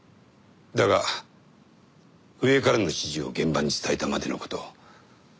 だが上からの指示を現場に伝えたまでの事。